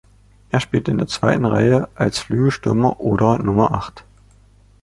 Er spielt in der zweiten Reihe, als Flügelstürmer oder Nummer Acht.